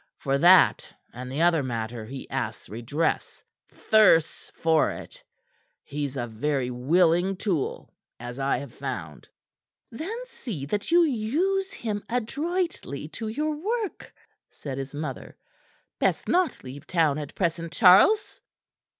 For that and the other matter he asks redress thirsts for it. He's a very willing tool, as I have found." "Then see that you use him adroitly to your work," said his mother. "Best not leave town at present, Charles."